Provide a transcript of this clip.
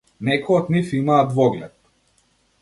Некои од нив имаа двоглед.